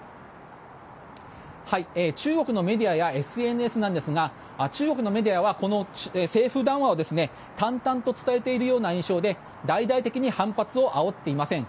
中国のメディアやＳＮＳなんですが中国のメディアはこの政府談話を淡々と伝えているような印象で大々的に反発をあおっていません。